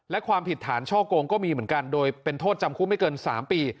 และความผิดฐานช่อโกงก็มีเหมือนกันโดยเป็นโทษจำคุกไม่เกิน๓ปี